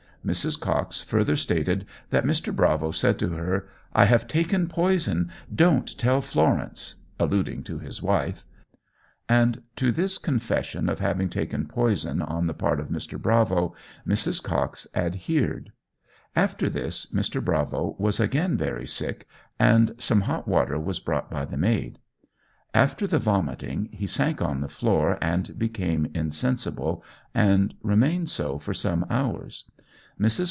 Mrs. Cox further stated that Mr. Bravo said to her, "I have taken poison. Don't tell Florence" (alluding to his wife); and to this confession of having taken poison on the part of Mr. Bravo, Mrs. Cox adhered. After this, Mr. Bravo was again very sick, and some hot water was brought by the maid. After the vomiting he sank on the floor and became insensible, and remained so for some hours. Mrs.